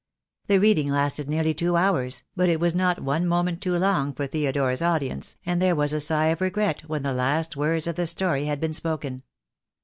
The reading lasted nearly two hours, but it was not one moment too long for Theodore's audience, and there was a sigh of regret when the last words of the story had been spoken.